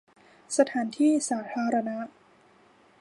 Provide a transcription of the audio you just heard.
สถานที่สาธารณะ